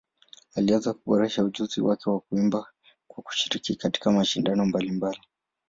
Alianza kuboresha ujuzi wake wa kuimba kwa kushiriki katika mashindano mbalimbali.